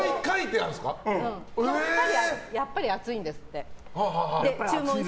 やっぱり暑いんですって。